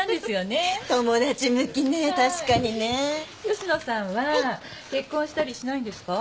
吉野さんは結婚したりしないんですか？